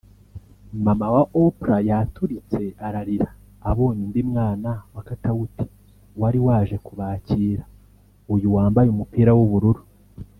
Mama wa Oprah yaturitse ararira abonye undi mwana wa Katauti wari waje kubakira (Uyu wambaye umupira w'ubururu)